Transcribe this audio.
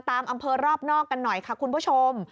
ตามอำเภอรอบนอกกันหน่อยค่ะคุณผู้ชม